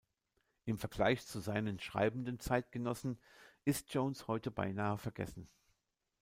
Im Vergleich zu seinen schreibenden Zeitgenossen ist Jones heute beinahe vergessen.